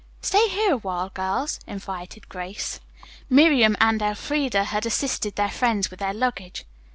"Stay here a while, girls," invited Grace. Miriam and Elfreda had assisted their friends with their luggage.